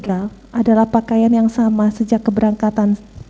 adalah pakaian yang sama sejak keberangkatan